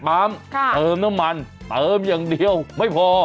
แข็งน้ำมันเติมอย่างเดียวไม่พอ